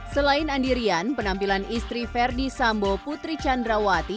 selain andirian penampilan istri verdi sambo putri candrawati